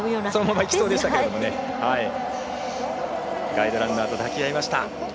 ガイドランナーと抱き合いました。